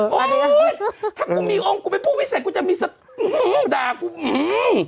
ถ้ากูมีองค์กูเป็นผู้วิเศษกูจะมีสติอื้อด่ากูอื้อ